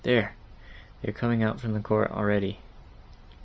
"There! they are coming out from the court already."